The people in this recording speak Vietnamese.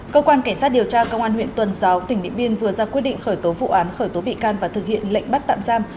công an huyện tuần giáo tỉnh điện biên vừa ra quyết định khởi tố vụ án khởi tố bị can và thực hiện lệnh bắt tạm giam